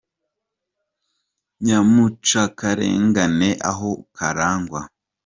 Nyamucakarengane aho karangwa.